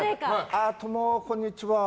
ああ、どうも、こんにちは。